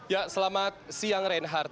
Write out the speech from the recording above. ya selamat siang reinhardt